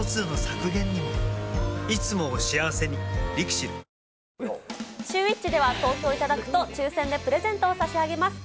機能性表示食品シューＷｈｉｃｈでは投票いただくと、抽せんでプレゼントを差し上げます。